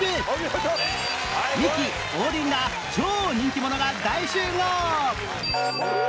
ミキ王林ら超人気者が大集合！